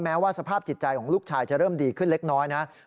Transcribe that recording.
ว่าสภาพจิตใจของลูกชายจะเริ่มดีขึ้นเล็กน้อยนะ